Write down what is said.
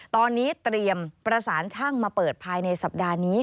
ตอนนี้เตรียมประสานช่างมาเปิดภายในสัปดาห์นี้